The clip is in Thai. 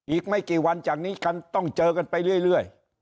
อีกไม่กี่วันจากนี้กันต้องเจอกันไปเรื่อย